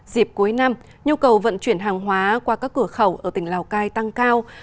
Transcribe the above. dịp cuối năm nhu cầu vận chuyển hàng hóa qua các cửa khẩu ở tỉnh lào cai tăng cao